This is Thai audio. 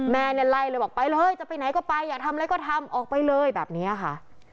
แม่เนี่ยไล่เลยบอกไปเลยจะไปไหนก็ไปอยากทำอะไรก็ทำออกไปเลยแบบนี้ค่ะ